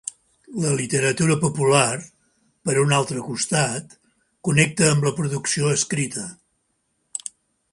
La literatura popular, per un altre costat, connecta amb la producció escrita.